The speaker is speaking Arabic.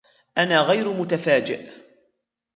أنا غير متفاجئ.